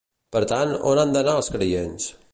Per tant, on han d'anar els creients?